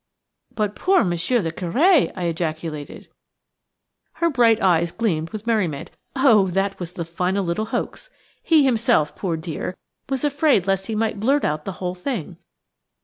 "But poor Monsieur le Curé!" I ejaculated. Her bright eyes gleamed with merriment. "Oh! that was a final little hoax. He himself, poor dear, was afraid lest he might blurt out the whole thing.